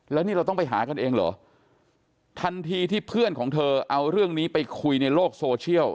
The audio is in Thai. แล้วนี่เราต้องไปหากันเองเหรอทันทีที่เพื่อนของเธอเอาเรื่องนี้ไปคุยในโลกโซเชียล